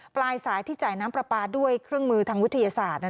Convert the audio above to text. ปลายสายที่จ่ายน้ำปลาปลาด้วยเครื่องมือทางวิทยาศาสตร์